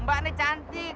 mbak ini cantik